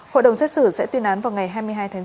hội đồng xét xử sẽ tuyên án vào ngày hai mươi hai tháng chín